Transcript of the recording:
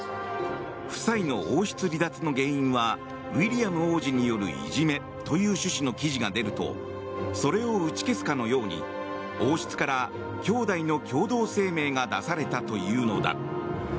夫妻の王室離脱の原因はウィリアム王子によるいじめという趣旨の記事が出るとそれを打ち消すかのように王室から兄弟の共同声明が出されたというのだ。